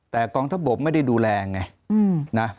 แต่กองทัพบกไม่ได้ดูแลไงนะ